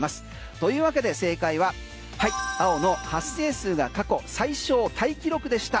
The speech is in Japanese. というわけで正解は青の、発生数が過去最少タイ記録でした。